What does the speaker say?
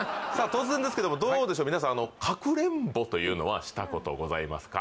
突然ですけどもどうでしょう皆さんかくれんぼというのはしたことございますか？